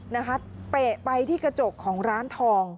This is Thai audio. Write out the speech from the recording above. นะคะเตะไปที่กระจกของร้านทอง